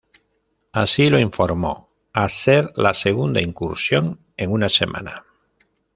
Así lo informó a ser la segunda incursión en una semana.